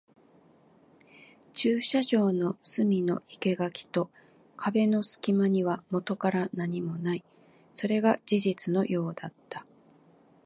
駐車場の隅の生垣と壁の隙間にはもとから何もない。それが事実のようだった。